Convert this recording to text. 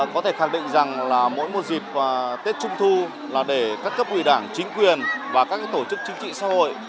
có thể khẳng định rằng là mỗi một dịp tết trung thu là để các cấp ủy đảng chính quyền và các tổ chức chính trị xã hội